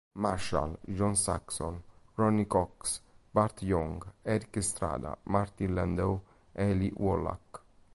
Marshall, John Saxon, Ronny Cox, Burt Young, Erik Estrada, Martin Landau, Eli Wallach.